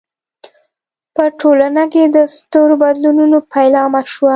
په ټولنه کې د سترو بدلونونو پیلامه شوه.